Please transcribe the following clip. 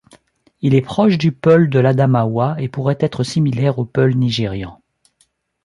Il est proche du peul de l'Adamaoua et pourrait être similaire au peul nigérian.